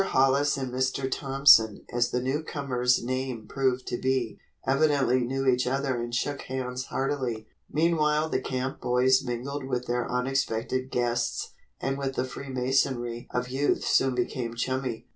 Hollis and Mr. Thompson, as the new comer's name proved to be, evidently knew each other and shook hands heartily. Meanwhile the camp boys mingled with their unexpected guests and with the freemasonry of youth soon became chummy.